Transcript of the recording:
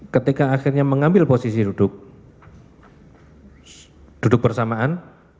ketika akhirnya mengambil posisi duduk duduk bersamaan